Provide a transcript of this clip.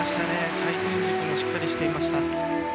回転軸もしっかりしていました。